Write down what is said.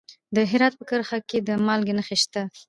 د هرات په کرخ کې د مالګې نښې شته.